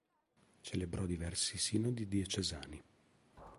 Celebrò diversi sinodi diocesani.